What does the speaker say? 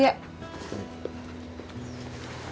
iya mak pulang dulu ya